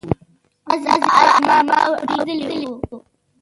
ستاسې په اړه ما اورېدلي و